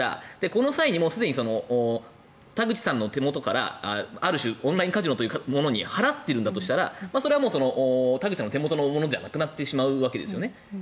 この際にすでに田口さんの手元からある種、オンラインカジノというものに払っているんだとしたらそれは田口さんの手元のものじゃなくなるわけですよね。